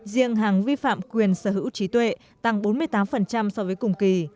riêng hàng vi phạm quyền sở hữu trí tuệ tăng bốn mươi tám so với cùng kỳ